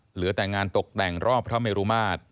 เหลือแต่งานตกแต่งรอบพระเมรุมาตร